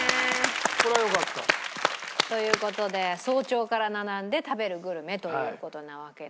これはよかった。という事で早朝から並んで食べるグルメという事なわけなんです。